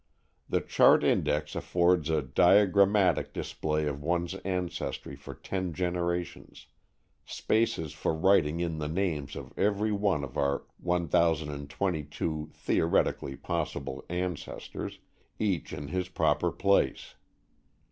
The Chart Index affords a diagrammatic display of one's ancestry for ten generations spaces for writing in the names of every one of our 1,022 theoretically possible ancestors, each in his proper place.